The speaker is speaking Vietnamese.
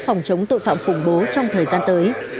phòng chống tội phạm khủng bố trong thời gian tới